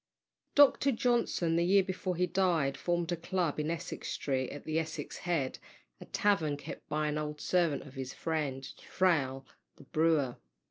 Dr. Johnson, the year before he died, formed a club in Essex Street, at the Essex Head, a tavern kept by an old servant of his friend, Thrale, the brewer.